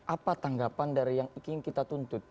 apa tanggapan dari yang ingin kita tuntut